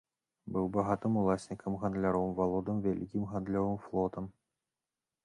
Быў багатым уласнікам, гандляром, валодаў вялікім гандлёвым флотам.